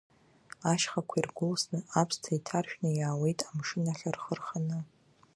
Ашьхақәа иргәылсны, аԥсҭа иҭаршәны иаауеит амшын ахь рхы рханы.